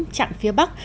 chặn phía bắc